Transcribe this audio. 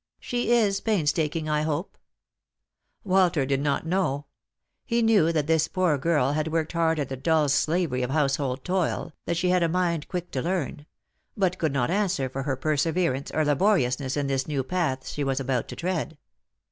She is painstaking, I hope ?" Walter did not know. He knew that this poor girl had worked hard at the dull slavery of household toil, that she had a mind quick to learn ; but could not answer for her perseverance or laboriousness in this new path she was about to tread.